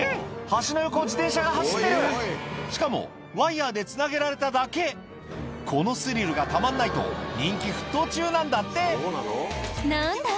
橋の横を自転車が走ってるしかもワイヤでつなげられただけこのスリルがたまんないと人気沸騰中なんだって何だ？